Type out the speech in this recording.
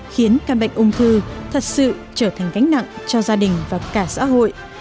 khiến căn bệnh ung thư thật sự trở thành gánh nặng cho gia đình và cả xã hội